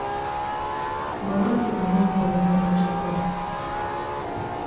„bolar“ diýdim boýnyýogyn görünmejek bolup